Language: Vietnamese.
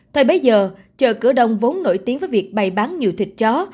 thời bấy giờ chợ cửa đông vốn nổi tiếng với việc bày bán nhiều thịt chó